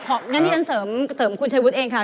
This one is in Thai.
ขอเสริมคุณชายวุฒิเองค่ะ